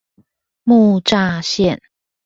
木柵線